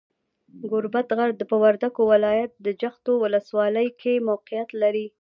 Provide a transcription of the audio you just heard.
ګوربت غر، په وردګو ولایت، جغتو ولسوالۍ کې موقیعت لري.